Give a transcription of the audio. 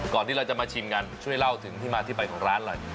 ที่เราจะมาชิมกันช่วยเล่าถึงที่มาที่ไปของร้านหน่อย